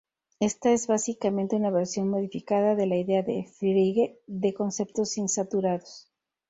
Esta es básicamente una versión modificada de la idea de Frege de "conceptos insaturados".